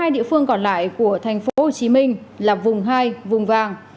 một mươi hai địa phương còn lại của tp hcm là vùng hai vùng vàng